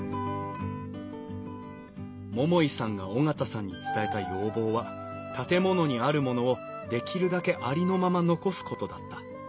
桃井さんが緒方さんに伝えた要望は建物にあるものをできるだけありのまま残すことだった。